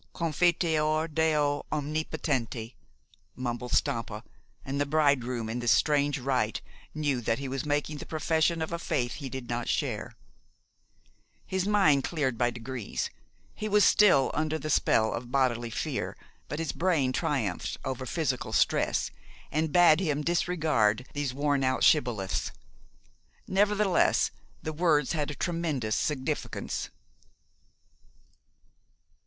"Confiteor Deo omnipotenti," mumbled Stampa, and the bridegroom in this strange rite knew that he was making the profession of a faith he did not share. His mind cleared by degrees. He was still under the spell of bodily fear, but his brain triumphed over physical stress, and bade him disregard these worn out shibboleths. Nevertheless, the words had a tremendous significance.